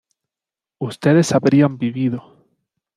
ustedes habrían vivido